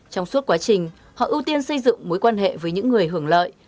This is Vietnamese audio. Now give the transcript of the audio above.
trong suốt quá trình họ ưu tiên xây dựng mối quan hệ với những người hưởng lợi